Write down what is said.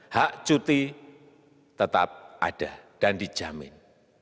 hak cuti tetap ada dan dijamin